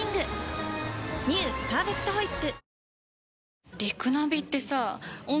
「パーフェクトホイップ」